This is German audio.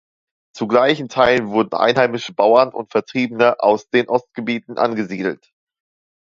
Zu gleichen Teilen wurden einheimische Bauern und Vertriebene aus den Ostgebieten angesiedelt.